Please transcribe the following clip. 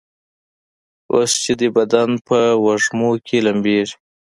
اوس چي دي بدن په وږمو کي لمبیږي